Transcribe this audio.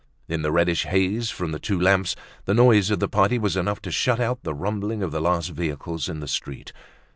In the reddish haze from the two lamps, the noise of the party was enough to shut out the rumbling of the last vehicles in the street.